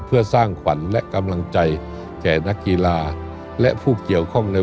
เพื่อสร้างขวัญและกำลังใจแก่นักกีฬาและผู้เกี่ยวข้องใน